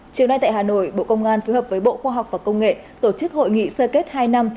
chiều nay tại hà nội bộ công an phối hợp với bộ khoa học và công nghệ tổ chức hội nghị sơ kết hai năm